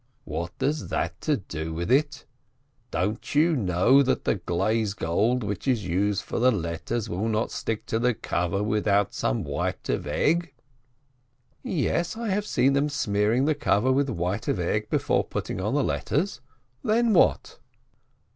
POVERTY 111 "What has that to do with it ? Don't you know that the glaze gold which is used for the letters will not stick to the cover without some white of egg?" "Yes, I have seen them smearing the cover with white of egg before putting on the letters. Then what